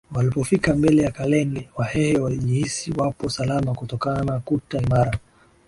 Walipofika mbele ya Kalenga Wahehe walijihisi wapo salama kutokana na kuta imara